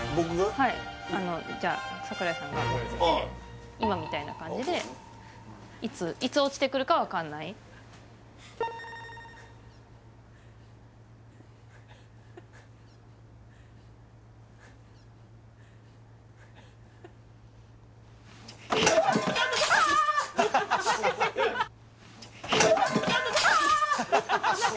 はいじゃあ櫻井さんが持ってて今みたいな感じでいつ落ちてくるか分かんないあっあっ